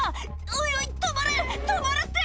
おいおい止まれ止まれって」